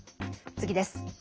次です。